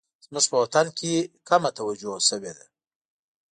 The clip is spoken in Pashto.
زموږ په وطن کې کمه توجه شوې ده